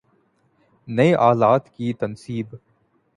نئے آلات کی تنصیب